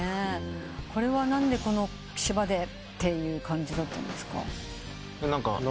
これは何でこの島でっていう感じだったんですか？